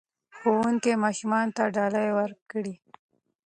ښوونکي ماشومانو ته ډالۍ ورکړې.